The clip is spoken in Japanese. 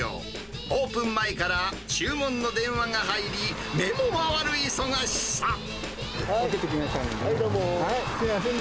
オープン前から注文の電話が入り、はい、どうも。